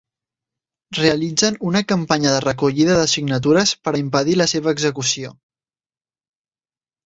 Realitzen una campanya de recollida de signatures per a impedir la seva execució.